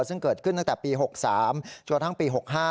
ซึ่งเกิดขึ้นตั้งแต่ปี๖๓จนทั้งปี๖๕